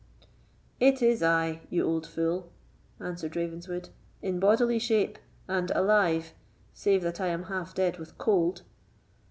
"It is I, you old fool," answered Ravenswood, "in bodily shape and alive, save that I am half dead with cold."